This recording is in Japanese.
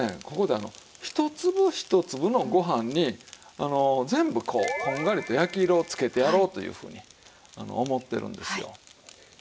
ここで一粒一粒のご飯に全部こうこんがりと焼き色をつけてやろうというふうに思ってるんですよ。